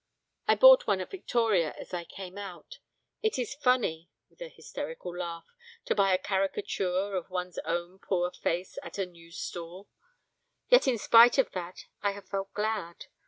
I bought one at Victoria as I came out; it is funny (with an hysterical laugh) to buy a caricature of one's own poor face at a news stall. Yet in spite of that I have felt glad.